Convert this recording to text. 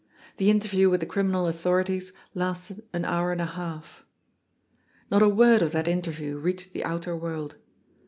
The interview with the criminal authorities lasted an hour and a half. Not a word of that interview reached the outer world.